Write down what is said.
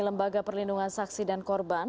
lembaga perlindungan saksi dan korban